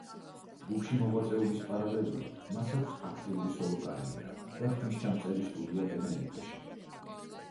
ჯგუფში მოღვაწეობის პარალელურად მას აქვს აქტიური სოლო კარიერა და ხმისჩამწერი სტუდია ტენერიფეში.